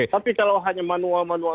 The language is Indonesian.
tapi kalau hanya manual manual